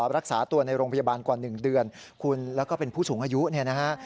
รักษาตัวในโรงพยาบาลกว่า๑เดือนคุณแล้วก็เป็นผู้สูงอายุเนี่ยนะฮะ